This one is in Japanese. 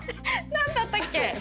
なんだったっけ？